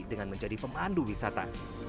dengan menjadi pemandu wisata